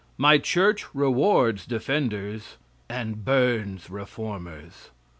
My church rewards defenders and burns reformers."